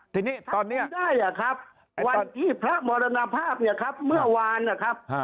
ถ้าคุมได้เนี่ยครับวันที่พระมรณภาพเนี่ยครับเมื่อวานนะครับ